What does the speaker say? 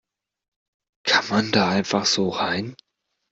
Kann man da einfach so rein?